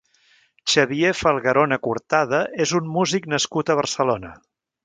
Xavier Falgarona Cortada és un músic nascut a Barcelona.